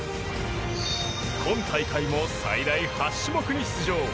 今大会も最大８種目に出場。